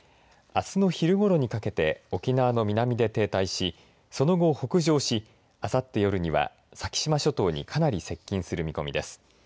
あすの昼ごろにかけて沖縄の南で停滞しその後、北上しあさって夜には、先島諸島にかなり接近する見込みです。